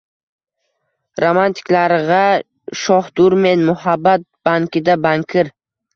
Romantiklarg‘a shohdurmen, muhabbat bankida bankir